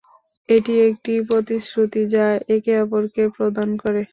এটি একটি প্রতিশ্রুতি, যা একে অপরকে প্রদান করে।